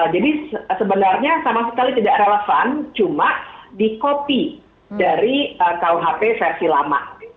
jadi sebenarnya sama sekali tidak relevan cuma dikopi dari kuhp versi lama